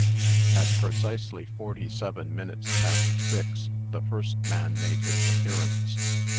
At precisely forty seven minutes past six, the first man made his appearance.